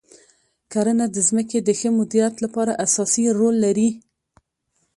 کرنه د ځمکې د ښه مدیریت لپاره اساسي رول لري.